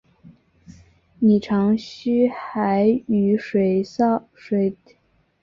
拟长须海羽水蚤为亮羽水蚤科海羽水蚤属下的一个种。